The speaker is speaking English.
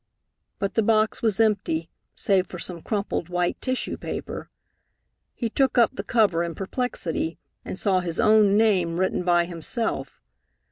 But the box was empty, save for some crumpled white tissue paper. He took up the cover in perplexity and saw his own name written by himself.